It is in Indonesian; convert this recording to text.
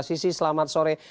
sisi selamat sore